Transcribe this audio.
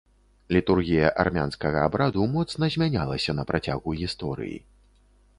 Літургія армянскага абраду моцна змянялася на працягу гісторыі.